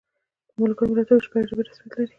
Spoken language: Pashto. په ملګرو ملتونو کې شپږ ژبې رسمیت لري.